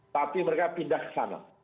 tapi mereka pindah ke sana